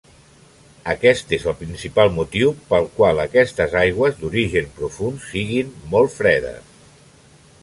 Aquest és el principal motiu pel qual aquestes aigües d'origen profund siguin molt fredes.